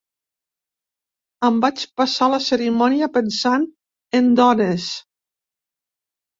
Em vaig passar la cerimònia pensant en dones.